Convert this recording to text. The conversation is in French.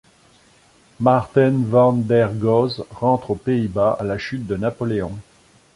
Maarten van der Goes rentre aux Pays-Bas à la chute de Napoléon.